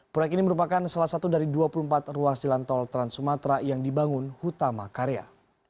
proyek ini merupakan salah satu dari dua puluh empat ruas jalan tol trans sumatera yang dibangun hutama karya